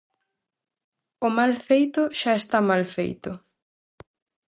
O mal feito xa está mal feito.